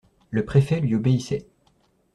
Le préfet lui obéissait.